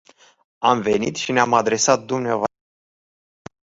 Am venit și ne-am adresat dvs. personal.